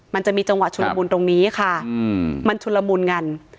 มันจะมีจังหวะชุลมุนตรงนี้ค่ะมันชุนละมุนกัน